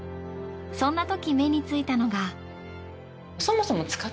そんなとき目についたのが。